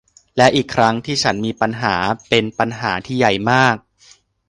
และอีกครั้งที่ฉันมีปัญญา เป็นปัญหาที่ใหญ่มาก